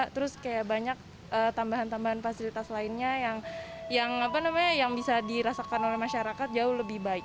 terus kayak banyak tambahan tambahan fasilitas lainnya yang bisa dirasakan oleh masyarakat jauh lebih baik